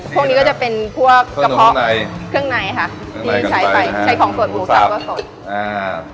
พวกนี้ก็จะเป็นพวกกระเพาะเครื่องในค่ะที่ใช้ไปใช้ของส่วนหมูสับก็สดอ่า